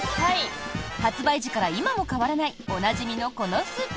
発売時から今も変わらないおなじみのこのスープ。